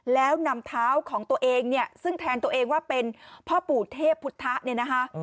แล้วนำเท้าของตัวเองเนี่ยซึ่งแทนตัวเองว่าเป็นพ่อปู่เทพพุทธะเนี่ยนะคะ